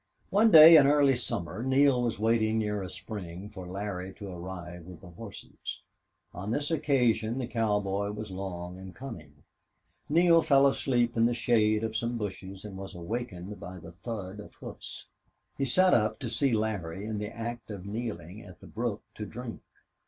One day in early summer Neale was waiting near a spring for Larry to arrive with the horses. On this occasion the cowboy was long in coming. Neale fell asleep in the shade of some bushes and was awakened by the thud of hoofs. He sat up to see Larry in the act of kneeling at the brook to drink.